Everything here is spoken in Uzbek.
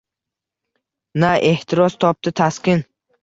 Na ehtiros topdi taskin